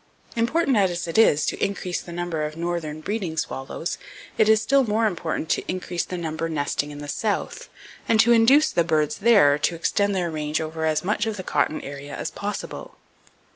Important as it is to increase the number of northern breeding swallows, it is still more important to increase the number nesting in the South and to induce the birds there to extend their range over as much of the cotton area as possible.